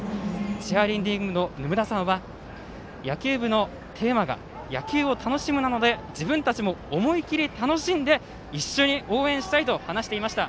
チアリーディング部ののむらさんは、野球部のテーマが「野球を楽しむ」なので自分たちも思い切り楽しんで一緒に応援したいと話していました。